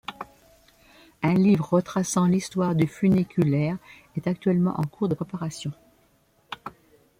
Un livre retraçant l'histoire du funiculaire est actuellement en cours de préparation.